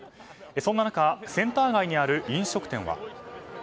そんな中、センター街にある飲食店は。